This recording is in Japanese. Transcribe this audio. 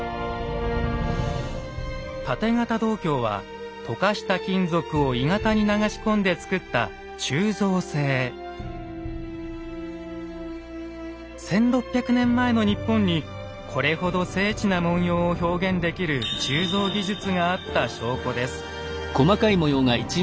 盾形銅鏡は溶かした金属を鋳型に流し込んで作った１，６００年前の日本にこれほど精緻な文様を表現できる鋳造技術があった証拠です。